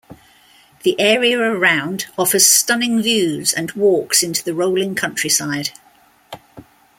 The area around offers stunning views and walks into the rolling countryside.